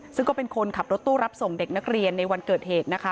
ซึ่งก็เป็นคนขับรถตู้รับส่งเด็กนักเรียนในวันเกิดเหตุนะคะ